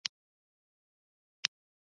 پاچا تل پر خپلو کارکوونکو شکمن وي .